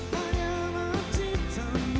hanya mencintai aku